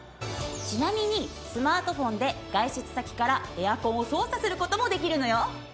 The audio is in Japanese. ちなみにスマートフォンで外出先からエアコンを操作する事もできるのよ。